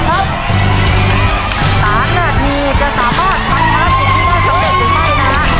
สามนาทีจะสามารถควรควรภารกิจข้าสังเกตสุดไหมนะฮะ